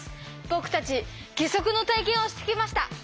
僕たち義足の体験をしてきました。